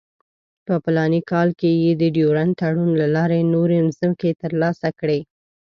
په فلاني کال کې یې د ډیورنډ تړون له لارې نورې مځکې ترلاسه کړې.